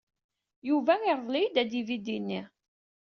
Yuba yerḍel-iyi-d adividi-nni.